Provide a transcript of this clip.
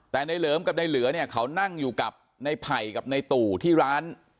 แต่นายเหลือกับนายเหลือเนี่ยเขานั่งอยู่กับนายไผ่กับนายตู่ที่ร้าน